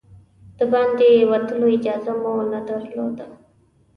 د باندې وتلو اجازه مو نه درلوده.